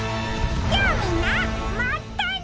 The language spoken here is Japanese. じゃあみんなまったね！